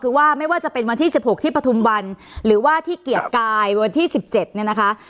คือว่าไม่ว่าจะเป็นวันที่๑๖ที่ปฐุมวันหรือว่าที่เกียรติกายวันที่๑๗เนี่ยนะคะ